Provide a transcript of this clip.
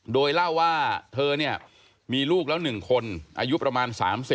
โดยเล่าว่าเธอเนี่ยมีลูกแล้ว๑คนอายุประมาณ๓๐